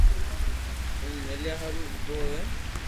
ھين مليا ھارون آويو ھي